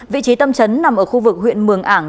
vị trí tâm trấn nằm ở khu vực huyện mường ảng